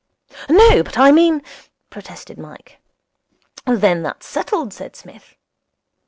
'No, but I mean ' protested Mike. 'Then that's settled,' said Psmith.